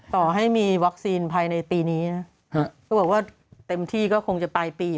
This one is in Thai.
ต่อให้มีวัคซีนภายในปีนี้นะเขาบอกว่าเต็มที่ก็คงจะปลายปี